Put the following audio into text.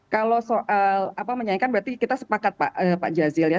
kalau soal apa menyayangkan berarti kita sepakat pak jazil ya